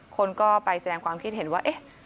คนก็ไปแสดงความคิดเห็นว่าเอ๊ะ